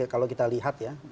kalau kita lihat ya